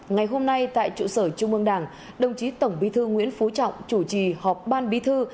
ngày hôm nay tại trụ sở trung ương đảng đồng chí tổng bí thư nguyễn phú trọng chủ trì họp ban bí thư